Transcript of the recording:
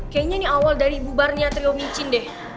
kayaknya ini awal dari bubarnya trio micin deh